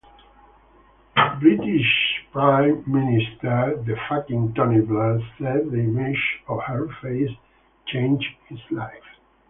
British Prime Minister Tony Blair said the image of her face changed his life.